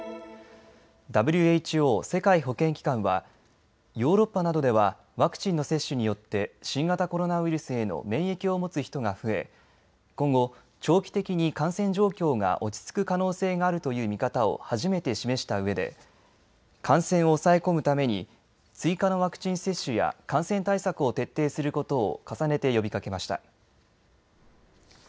ＷＨＯ・世界保健機関はヨーロッパなどではワクチンの接種によって新型コロナウイルスへの免疫を持つ人が増え、今後、長期的に感染状況が落ち着く可能性があるという見方を初めて示したうえで感染を抑え込むために追加のワクチン接種や感染対策を徹底することを重ねて呼びかけました。